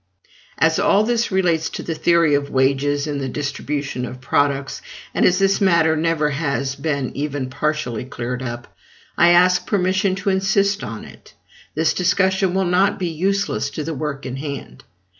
As all this relates to the theory of wages and of the distribution of products, and as this matter never has been even partially cleared up, I ask permission to insist on it: this discussion will not be useless to the work in hand.